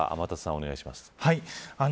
天達さん、お願いします。